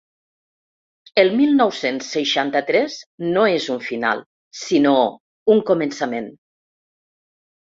El mil nou-cents seixanta-tres no és un final, sinó un començament.